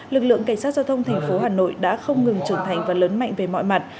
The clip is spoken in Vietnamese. lực lượng cảnh sát giao thông thành phố hà nội đã không ngừng trưởng thành và lớn mạnh về mọi mặt